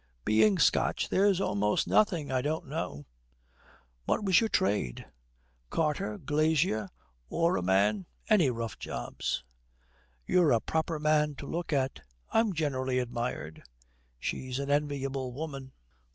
'Being Scotch, there's almost nothing I don't know.' 'What was you to trade?' 'Carter, glazier, orraman, any rough jobs.' 'You're a proper man to look at.' 'I'm generally admired.' 'She's an enviable woman.'